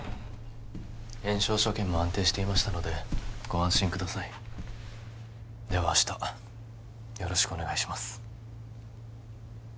炎症所見も安定していましたのでご安心くださいでは明日よろしくお願いします